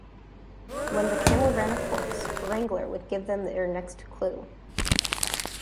When the camel ran a course, a wrangler would give them their next clue.